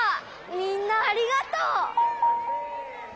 みんなありがとう。